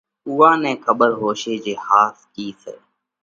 اُوئا نئہ کٻر هوشي جي ۿاس ڪِي سئہ؟